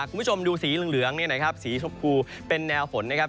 คุณผู้ชมดูสีเหลืองสีชบกูเป็นแนวฝนนะครับ